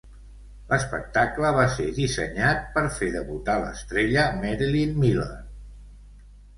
L'espectacle va ser dissenyat per fer debutar l'estrella Marilyn Miller.